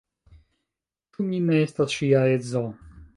Ĉu mi ne estas ŝia edzo?